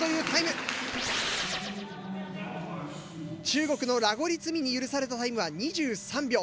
中国のラゴリ積みに許されたタイムは２３秒。